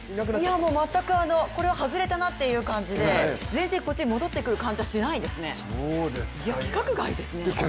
全く、これは外れたなという感じで、全然こっちに戻ってくる感じはしないですね、規格外ですね。